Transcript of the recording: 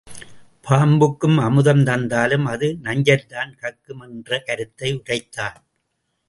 பாம்புக்கு அமுதம் தந்தாலும் அது நஞ்சைத்தான் கக்கும் என்ற கருத்தை உரைத்தான்.